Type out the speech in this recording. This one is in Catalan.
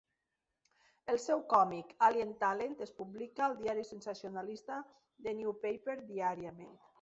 El seu còmic "Alien Talent" es publica al diari sensacionalista The New Paper diàriament.